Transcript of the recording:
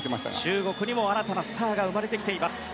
中国にも新たなスターが生まれてきています。